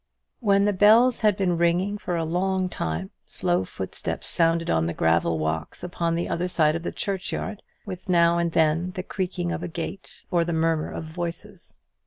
When the bells had been ringing for a long time, slow footsteps sounded on the gravel walks upon the other side of the churchyard, with now and then the creaking of a gate or the murmur of voices.